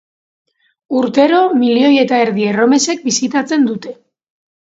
Urtero milioi eta erdi erromesek bisitatzen dute.